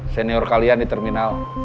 senior kalian di terminal